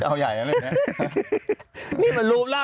ดำเนินคดีต่อไปนั่นเองครับ